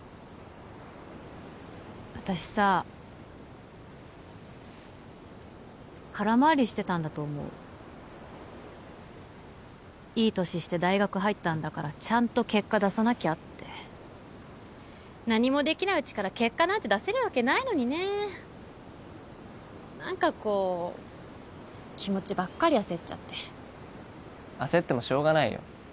私さ空回りしてたんだと思ういい年して大学入ったんだからちゃんと結果出さなきゃって何もできないうちから結果なんて出せるわけないのにね何かこう気持ちばっかり焦っちゃって焦ってもしょうがないよ